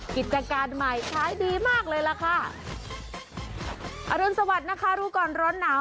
กิจการใหม่ขายดีมากเลยล่ะค่ะอรุณสวัสดิ์นะคะรู้ก่อนร้อนหนาว